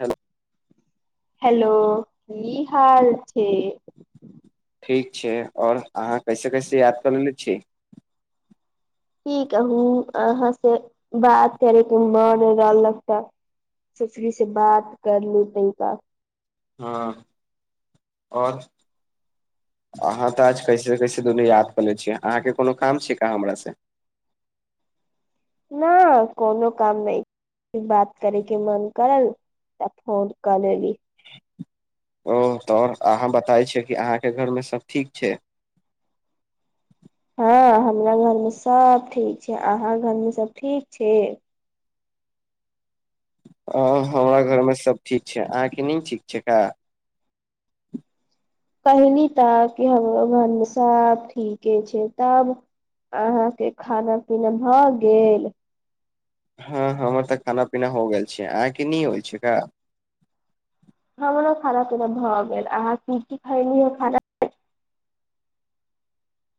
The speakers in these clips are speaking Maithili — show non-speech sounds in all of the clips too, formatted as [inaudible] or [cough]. हेलो हेलो की हाल छै ठीक छै और अहाँ कैसे कैसे याद कर लेले छी की कहु अहाँ से बात करेके मन रहलक तऽ सुसरी से बात कर लू तनिका ह और अहाँ तऽ आज कैसे कैसे दुनू याद कले छियै अहाँके कोनो काम छी का हमरासे न कोनो काम नै बात करय के मन करल तऽ फोन कऽ लेली ओ तऽ अहाँ बताय छी कि अहाँके घरमे सभ ठीक छै हँ हमरा घरमे सब ठीक छै अहाँ घरमे सब ठीक छै ह हमरा घरमे सभ ठीक छै अहाँके नहि ठीक छै का कहिली तऽ कि हमरो घरमे सब ठीके छै तब अहाँके खाना पीना भऽ गेल हँ हमर तऽ खाना पीना हो गेल छै अहाँके नी होय छैका हमरो खाना पीना भऽ गेल अहाँ की की खइली ह खानामे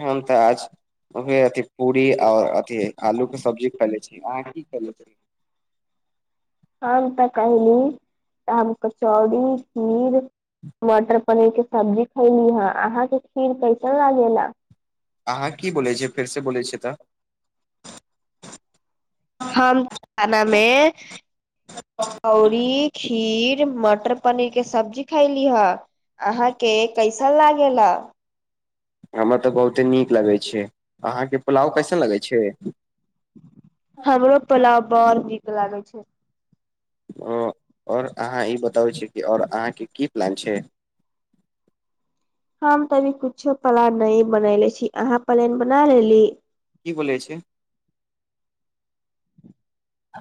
हम तऽ आज हम अथी पूरी आओर अथी आलू के सब्जी खैले छी अहाँ की खेले छी [inaudible] हम तऽ कहिली तऽ हम कचौड़ी खीर मटर पनीर के सब्जी खयली हं अहाँके खीर कैसन लागेला अहाँ की बोलै छियै फेरसँ बोलै छियै तऽ हम खानामे पौड़ी खीर मटर पनीर के सब्जी खयली ह अहाँके कैसन लागेला हमरा तऽ बहुते नीक लगै छै अहाँके पुलाव कैसन लगे छै हमरो पोलाउ बर नीक लागै छै ओ और अहाँ ई बताबै छी कि और अहाँके की प्लान छै [inaudible] हम तऽ अभी कुछो पलान नै बनेले छी अहाँ पलेन बना लेली की बोलै छै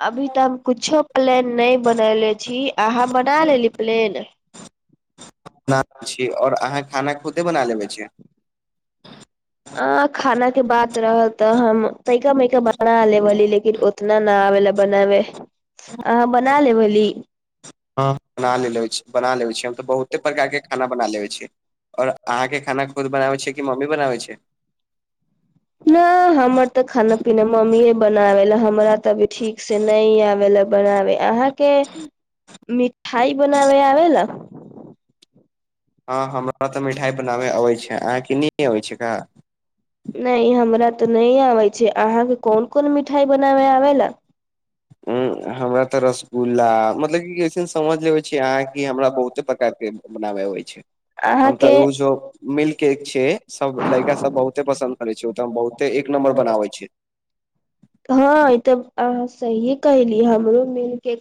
अभी तऽ हम कुछो प्लेन नै बनेले छी अहाँ बना लेली प्लेन बना छी आओर अहाँ खाना खुदे बना लेबै छी आ खाना के बात रहल तऽ हम तैका मैका बनाा लेबेली लेकिन फीर ओतना न आबे ले बनाबे अहाँ बना लेबेली हँ बना लै ल छी बना लेबे छी हम तऽ बहुते प्रकार के खाना बना लेेबे छी और अहाँ के खाना खुद बनाबे छी कि मम्मी बनाबे छै न हमर तऽ खाना पीना मम्मीए बनाबेला हमरा तऽ ठीक से नहि आबे ले बनाबे अहाँके मिठाइ बनाबे आबे ला हँ हमरा तऽ मिठाइ बनाबय अबैत छै अहाँके नहि अबैत छै का नहि हमरा तऽ नहि आबै छै अहाँके कोन कोन मिठाइ बनाबै आबै लए ह हमरा तऽरस बुला मतलब कि अइसन समझ लेबे छी अहाँ कि हमरा बहुते प्रकार के बनाबे आबै छै हम तऽ अहाँके ओ जो मिल् केक छै सब लड़का सब बहुते पसन्द करे छै ओ त बहुते एक नमर मरो बनाबै छै हँ ई तऽ अहाँ सहीये कहली हमरो मिलके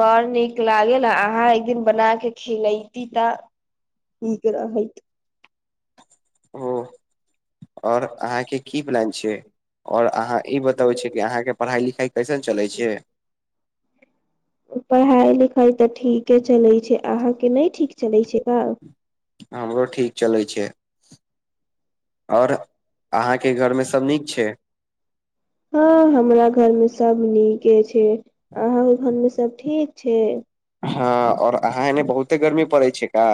बड़ नीक लागेला अहाँ एक दिन बना के खिलैती तऽ ठीक रहै ओ आओर अहाँके की प्लान छै आओर अहाँ ई बतबै छियै कि अहाँके पढ़ाइ लिखाइ कैसन चलै छै पढ़ाइ लिखाइ तऽ ठीके चलैत छै अहाँके नहि ठीक चलैत छै का हमरो ठीक चलै छै आओर अहाँके घरमे सब नीक छै हँ हमरा घरमे सब नीके छै आहां ओ घरमे सब ठीक छै हँ और अहाँ एने बहुते गर्मी पड़ै छै का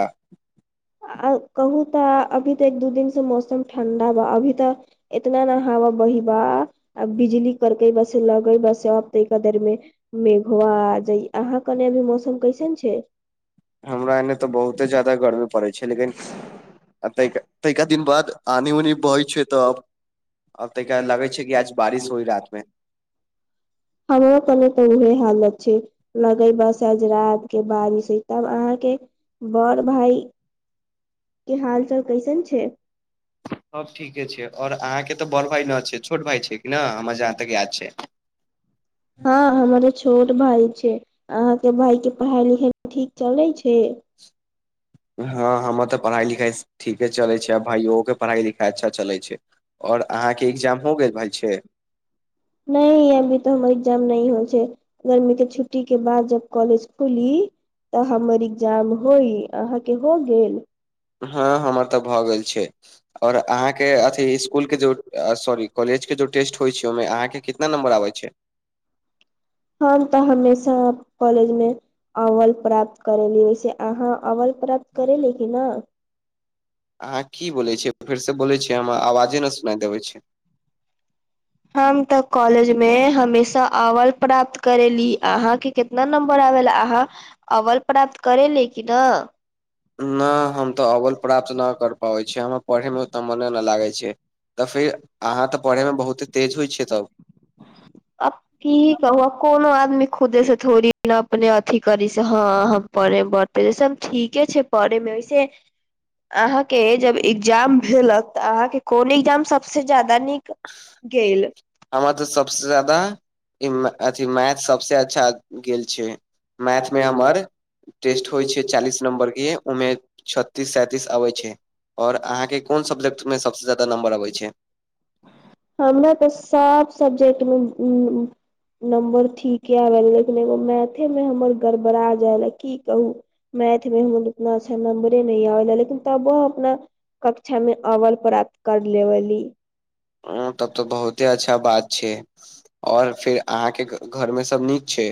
आ कहू तऽ अभी तऽ एक दू दिन से मौसम ठंडा बा अभी तऽ इतना ने बहि बा आ बिजली करके बसे लगई बसे ब तऽ क देर मे मेघआ ह अहाँ क ने अभी मौसम कैसन छै हमरा एने तऽ बहुते ज्यादा गर्मी पड़ै छै लेकिन एते तैका दिन बाद आनी उनी बहै छै तऽब आब तैका लागै छै कि आज बारिश होई रात मे हमर कने कह है हालत लगे बस आज रात के बारिश होय तब अहाँके बर भइ के हाल चाल कैसन छै सब ठीके छै आओर अहाँ के तऽ बड़ भाय न छै छोट भाय छै कि ने हमर जहाँ तक याद छै से हँ हमर छोट भाय छै अहाँके भाय के पढ़ाइ लिखाइ ठीक चलै छै हँ हमर तऽ पढ़ाइ लिखाइ ठीके चलैत छै आ भाइयोक के पढ़ाइ लिखाइ अच्छा चलै छै आओर अहाँके एग्जाम हो गेल भाय छै नहि अभी तो हमर एग्जाम नहि हो छै गर्मी के छुट्टी के बाद जब कॉलेज खुली तऽ हमर एग्जाम होई अहाँके हो गेल हँ हमर तऽ भऽ गेल छै आओर अहाँके अथी स्कुल के जे सॉरी कॉलेज के जो टेस्ट होइ छै ओहिमे अहाँके कितना नम्बर आबै छै हं तऽ हमेशा कॉलेजमे अव्वल प्राप्त करेली वैसे अहाँ अव्वल प्राप्त करेली कि ने अहाँ की बोलैत छियै फेरसँ बोलैत छियै हमरा आवाजे ने सुनाय देबै छै हम तऽ कॉलेज मे हम हमेशा अब्वल प्राप्त करेली अहा के कितना नंबर आबेला अहाँ अव्वल प्राप्त कर करे ल कि न नहि हम तऽ अब्वल प्राप्त न कर पाबै छीयै हम पढ़यमे ओतेक मने नहि लागै छै तऽ फेर अहाँ तऽ पढ़यमे बहुते तेज होइ छियै तब दी खुदे से थोड़ी ने अपने अथी करी से ह हम पढ़े बढ़तेज ठीके छै पढ़ मे ऐसे अहाँके जब एग्जाम भेलत तऽ अहाँके कोन एग्जाम सबसँ जादा निक गेल सबस जदा अथि मैथ सबसँ अच्छा गेल छै मैथ मे हमर टेस्ट होइ छै चालीस नंबर के ओ मे छत्तीस सैंतीस आबै छै आओर अहाँके कोन सब्जेक्टमे सभसँ ज्यादा नम्बर अबैत छै हमरा तऽ सब सब्जेक्टमे नम्बर ठीके आबेला लेकिन एगो मैथे मे हमर गड़बड़ा जाले की कहू मैथ उतना अच्छा नंबरे न आबेला लेकिन तबो अपना कक्षामे अब्वल प्राप्त कर लेबली ओ तब तऽ बहुते अच्छा बात छै आओर फेर अहाँके घरमे सभ नीक छै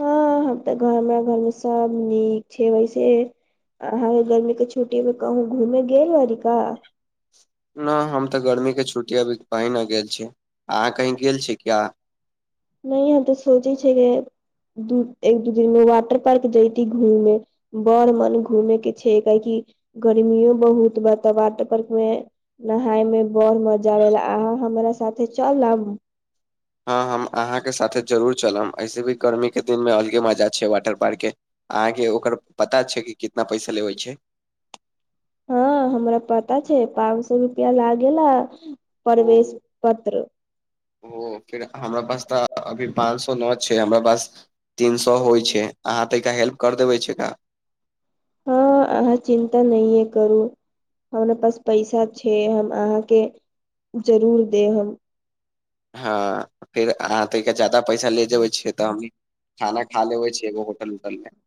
हँ हम तऽ घरमेरा घरमे सब नीक छै वैसे आ ह गर्मी के छुट्टी मे कहू घूमे गेल बारिका न हम तऽ गर्मी के छुट्टी अभी कहीं न गेल छी अहाँ कहीं गेल छी किया नहि हह तऽ सोची छै कि दु एक दू दिन मे वाटर पार्क जइति घूमे बड़ मन घूमेै के छै काहे कि क गर्मियो बहुत बात वाटर पार्क मे नहाय मे बर मजा आबेला अहाँ हमरा साथे चल न आबू हँ हम अहाँके साथे जरूर चलब ऐसे भी गर्मीके दिनमे अलगे मजा छै वाटर पार्कके अहाँके ओकर पता छै कि कितना पैसा लेबै छै स रुपआ लागेल ओ प्रवेश पत्र ओ फिर हमरा पास तऽ अभी पाँच सए नओ छै हमरा पास तीन सए होइ छै अहाँ तऽ एकरा हेल्प करि देबै छै एका हँ अहाँ चिन्ता नहिए करू हमरा पास पैसा छै हम अहाँके जरूर दे हम हँ फेर अहाँ तके जादा पैसा ले जेबै छै तऽ हम खाना खा लेबै छ एगो होटल उटल मे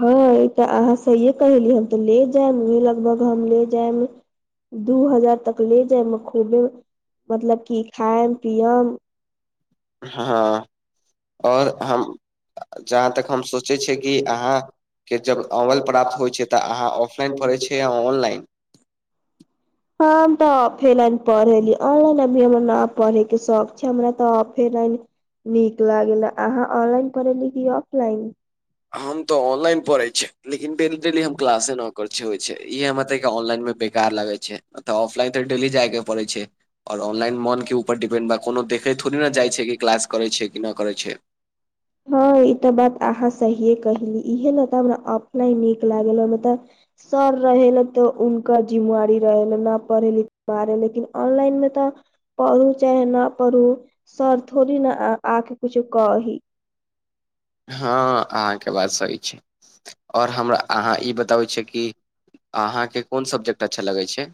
हँ तऽ अहाँ सहिए कहली हम तऽ ले जायब लगभग हम ले जायब दू हजार तक ले जायमे खूबे मतलब कि खायब पियब हँ आओर हम जहाँ तक हम सोचै छियै कि अहाँ के जब अमल प्राप्त होइत छै तऽ अहाँ ऑफलाइन पढ़ै छियै या ऑनलाइन हम तऽ औफेलाइन पढ़ेली ऑनलाइन अभी हमर न पढ़ेके शौख छै हमरा तऽ फेरन नीक लागल अहाँ ऑनलाइन पढ़ेली कि ऑफलाइन हम तऽ ऑनलाइन पढ़ैत छै लेकिन डेली डेली हम क्लासे न कर छै होइ छै इ हमरा त ऑनलाइनमे बेकार लागै छै अऽ ऑफलाइन तऽ डेली जाइके पड़ै छै आओर ऑनलाइन मनके उपर डिपेंड बा कोनो देखैत थोड़े ने जाइ छै कि क्लास करै छै कि न करै छै हँ ई तऽ बात अहाँ सहिए कहली इहे ने तब ने अपना नीक लागल ओहिमे तब सर रहे ल' तऽ उनका जिम्वारी रहे न पढ़े लिख रहे लेकिन ऑनलाइन में तऽ पढ़ू च न पढ़ू सर थोड़ी ने आके कुछु कही हँ अहाँके बात सही छै आओर हमरा अहाँ ई बताबै छै कि अहाँके कोन सब्जेक्ट अच्छा लगै छै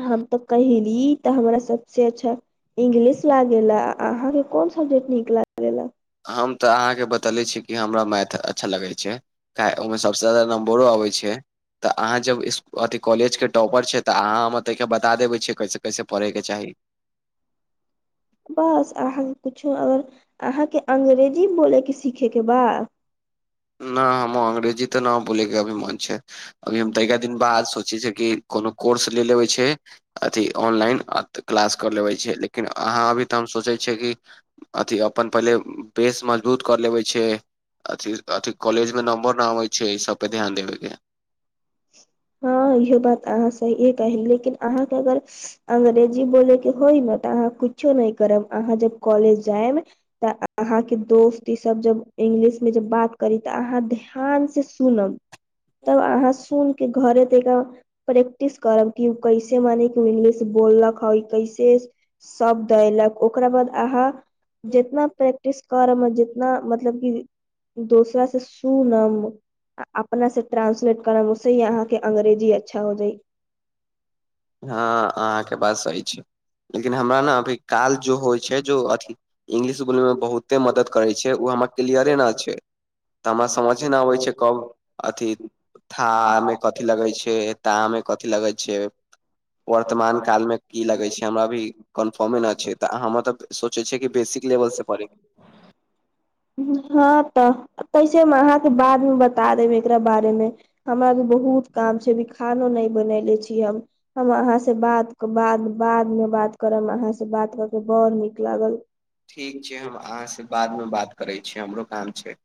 हम तऽ कहीली तऽ हमरा सबसे अच्छा इंग्लिश लागेला अहाँकेँ कोन सब्जेक्ट नीक लागेला हम तऽ अहाँके बतेले छी कि हमरा मैथ अच्छा लगै छै क ओहिमे सबसे जादा नंबरो होइ छै तऽ अहाँ जब अथि कॉलेज के टॉपर छै तऽ अहाँ हम तइके बता देबे छीयै कैसे कैसे पढ़े के चाही [inaudible] बस अहाँ कुछो अगर अहाँके अंग्रेजी बोलयके सीखेके बा न हमो अंग्रेजी तऽ न बोलेके अभीमन छै अभी हम तैका दिन बाद सोचे छिय कि कोनो कोर्स ले लेबे छै अथि ऑनलाइन आ तऽ क्लास कर लेबै छै लेकिन अहाँ अभी तऽ हम सोचै छियै कि अथी अपन पहिले बेस मजबूत कर लेबै छै अथी अथि कॉलेज मे नम्बर न आबै छै ई सबपे ध्यान देबेके हँ इहो बात अहाँ सही कह लेकिन अहाँके अगर अंग्रेजी बोलेके होइ न तऽ अहाँ कुछो नहि करब अहाँ जब कॉलेज जायब तऽ अहाँके दोस्त ई सब जब इंगलिशमे जब बात करी तऽ अहाँ ध्यान से सुनब तब अहाँ सुन के घरे रहि के प्रैक्टिस करब कि उ कैसे मने कि इंग्लिश बोललक है कैसे सभ दैलक ओकरा बाद अहाँ जितना प्रैक्टिस करब जितना मतलब कि दोसरा से सुनम अपना से ट्रांसलेट करम तै यहाँके अंग्रेजी अच्छा हो जाइ हँ अहाँके बात सही छै लेकिन हमरा न अभी काल जो होइ छै जो अथी इंगलिश बोलेमे बहुते मदद करै छै ओ हमर क्लियरे न छै तऽ हमरा समझे नहि आबै छै कब अथी था मे कथी लगै छै ता मे कथी लगै छै वर्तमान कालमे की लगै छै हमरा भी कन्फर्मे नहि छै तऽ हम तऽ सोचै छियै कि बेसी लेवल से पढ़े हँ तऽ कैसे मे अहाँके बादमे बता देब एकरा बारेमे हमरा भी बहुत काम छै अभी खानो नै बनैले छी हम हम अहाँ से बाद के बाद बादमे बात करब हम से बात कऽ के बड़ नीक लागल ठीक छै हम अहाँसे बादमे बात करै छियै हमरो काम छै